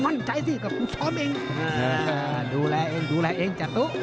มั่นใจสิก็ดูแลเองจาตุ